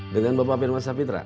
dengan bapak pirmasa fitra